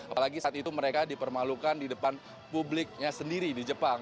apalagi saat itu mereka dipermalukan di depan publiknya sendiri di jepang